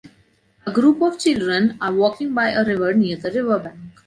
A group of children are walking by a river near the river bank.